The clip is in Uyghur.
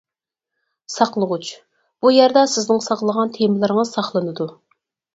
ساقلىغۇچ-بۇ يەردە سىزنىڭ ساقلىغان تېمىلىرىڭىز ساقلىنىدۇ.